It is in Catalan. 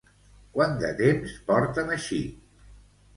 Quant de temps porten així?